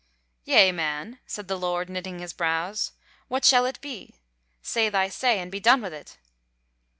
"Yea, man!" said the Lord knitting his brows; "What shall it be? say thy say, and be done with it."